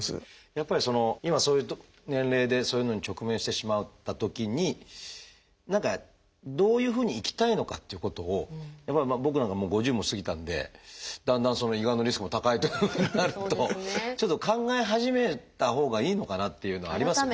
やっぱりそういう年齢でそういうのに直面してしまったときに何かどういうふうに生きたいのかっていうことをやっぱり僕なんかはもう５０も過ぎたんでだんだん胃がんのリスクも高いというふうになるとちょっと考え始めたほうがいいのかなっていうのはありますよね。